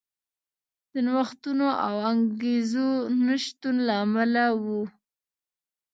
د نوښتونو او انګېزو نشتون له امله و.